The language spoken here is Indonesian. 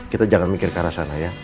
kita jangan mikir ke arah sana ya